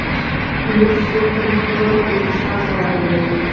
لوکس ژوند ته مخه کول اقتصاد خرابوي.